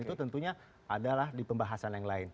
itu tentunya adalah di pembahasan yang lain